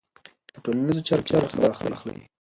په ټولنیزو چارو کې برخه واخلئ.